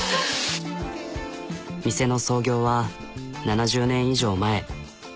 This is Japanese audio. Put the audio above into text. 店の創業は７０年以上前。